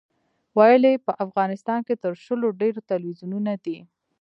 ویل یې په افغانستان کې تر شلو ډېر تلویزیونونه دي.